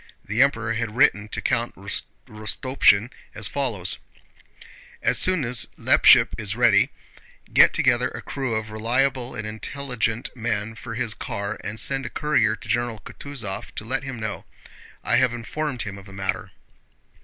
The Emperor had written to Count Rostopchín as follows: As soon as Leppich is ready, get together a crew of reliable and intelligent men for his car and send a courier to General Kutúzov to let him know. I have informed him of the matter.